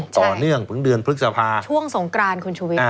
ต่อเนื่องถึงเดือนพฤษภาช่วงสงกรานคุณชุวิต